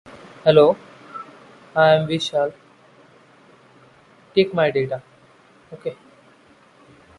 Apart from the mountainous areas, the territory consists mainly of farmland, forests and grasslands.